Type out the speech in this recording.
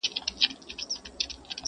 زرافه هم ډېره جګه وي ولاړه.!